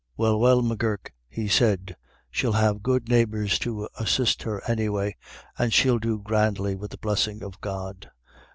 " Well, well, M'Gurk," he said, " she'll have good neighbours to assist her any way, and she'll do grandly, with the blessing of God.